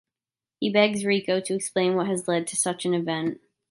He begs Ricco, to explain what has led to such an event.